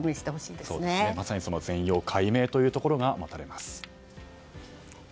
まさに全容解明というところが待たれます。